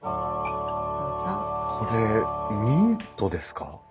これミントですか？